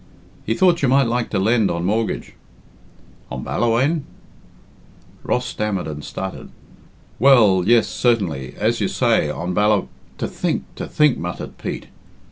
"He thought you might like to lend on mortgage." "On Ballawhaine?" Ross stammered and stuttered, "Well, yes, certainly, as you say, on Balla " "To think, to think," muttered Pete.